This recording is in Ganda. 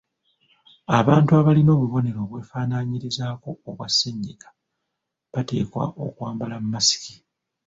Abantu abalina obubonero obwefaanaanyirizaako obwa ssennyiga bateekwa okwambala masiki.